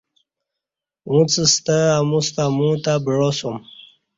اُݩڅ ستا اموستہ امو تہ بعاسوم